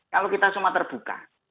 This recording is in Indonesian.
kalau kita semua terbuka